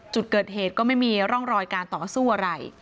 จุดเกิดเหตุก็ไม่มีร่องรอยการต่อสู้อะไร